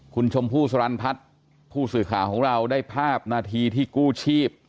คุณชมพู่สรรพัฒน์ผู้สื่อข่าวของเราได้ภาพนาทีที่กู้ชีพ